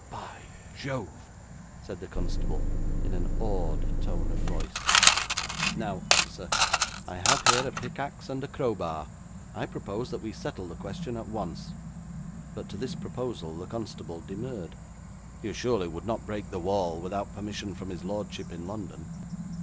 'By Jove!' said the constable, in an awed tone of voice. 'Now, officer, I have here a pickaxe and a crowbar. I propose that we settle the question at once.' But to this proposal the constable demurred. 'You surely would not break the wall without permission from his lordship in London?'